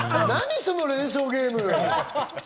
その連想ゲーム。